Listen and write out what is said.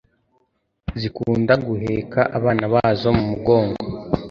zikunda guheka abana bazo mu mugongo